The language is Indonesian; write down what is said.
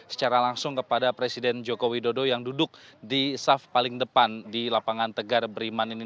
secara langsung kepada presiden joko widodo yang duduk di saf paling depan di lapangan tegar beriman ini